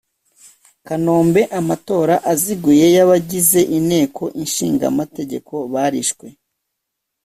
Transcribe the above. Kanombe amatora aziguye y abagize Inteko Ishinga amategeko barishwe